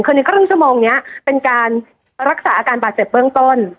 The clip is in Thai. คือในครึ่งชั่วโมงนี้เป็นการรักษาอาการบาดเจ็บเบื้องต้น